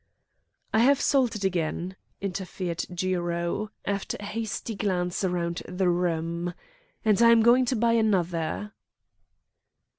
"I have sold it again," interfered Jiro, after a hasty glance round the room, "and I am going to buy another."